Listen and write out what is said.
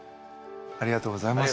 ありがとうございます。